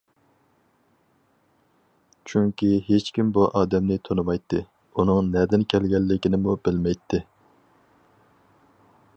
چۈنكى ھېچكىم بۇ ئادەمنى تونۇمايتتى، ئۇنىڭ نەدىن كەلگەنلىكىنىمۇ بىلمەيتتى.